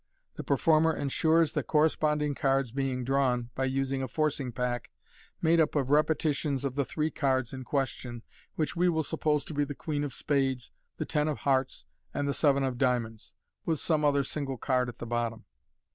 The performer ensures the corresponding cards being drawn by using a forcing pack, made up of repetitions of the three cards in ques tion, which we will suppose to be the queen of spades, the ten of hearts, and the seven of diamonds, with some other single card at the bottom.